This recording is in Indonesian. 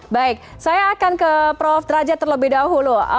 baik saya akan ke prof derajat terlebih dahulu